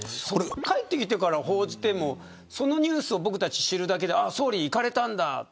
帰ってきてから報じてもそのニュースを僕たちが知るだけで総理、行かれたんだ